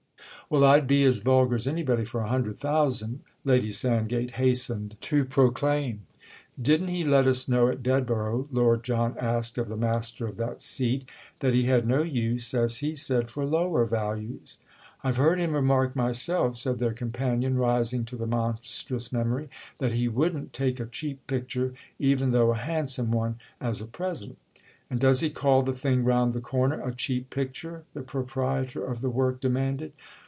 "Well, I'd be as vulgar as anybody for a Hundred Thousand!" Lady Sandgate hastened to proclaim. "Didn't he let us know at Dedborough," Lord John asked of the master of that seat, "that he had no use, as he said, for lower values?" "I've heard him remark myself," said their companion, rising to the monstrous memory, "that he wouldn't take a cheap picture—even though a 'handsome' one—as a present." "And does he call the thing round the corner a cheap picture?" the proprietor of the work demanded.